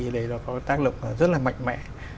để nó có tác lực rất là mạnh mẽ